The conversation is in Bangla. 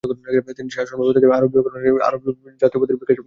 তিনি শাসনব্যবস্থাকে আরবীয়করণের মাধ্যমে আরবীয় জাতীয়তাবাদের বিকাশ ঘটান।